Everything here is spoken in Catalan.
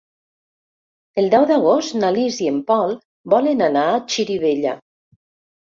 El deu d'agost na Lis i en Pol volen anar a Xirivella.